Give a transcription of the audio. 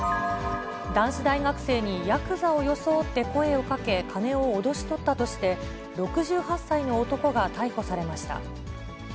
男子大学生にやくざを装って声をかけ、金を脅し取ったとして、６８歳の男が逮捕されました。